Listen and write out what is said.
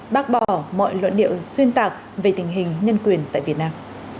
bác bỏ mọi luận điệu xuyên tạc về tình hình nhân quyền tại việt nam